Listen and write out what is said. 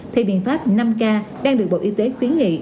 thì biện pháp năm k đang được bộ y tế khuyến nghị